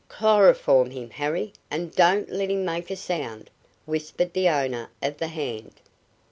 "Chloroform him, Harry, and don't let him make a sound!" whispered the owner of the hand.